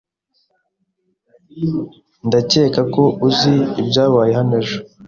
Ndakeka ko uzi ibyabaye hano ejo.